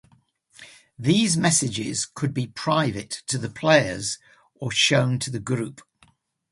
These messages could be private to the players or shown to the group.